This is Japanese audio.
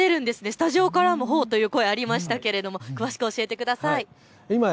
スタジオからも、おーという声がありましたけど詳しく教えてください。